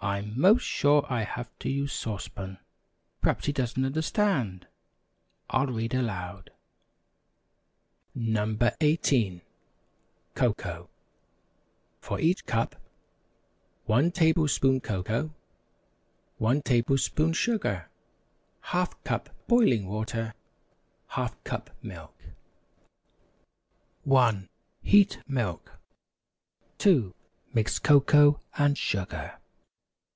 I'm 'most sure I have to use Sauce Pan. Perhaps he doesn't understand. I'll read aloud: NO. 18. COCOA. For each cup: 1 tablespoon cocoa 1 tablespoon sugar ½ cup boiling water ½ cup milk 1. Heat milk. 2. Mix cocoa and sugar.